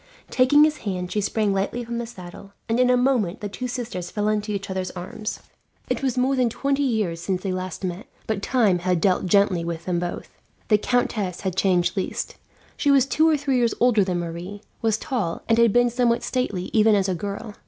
Taking his hand, she sprang lightly from the saddle, and in a moment the two sisters fell into each others' arms. It was more than twenty years since they last met, but time had dealt gently with them both. The countess had changed least. She was two or three years older than Marie, was tall, and had been somewhat stately even as a girl.